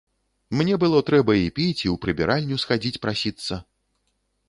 Мне было трэба і піць і ў прыбіральню схадзіць прасіцца.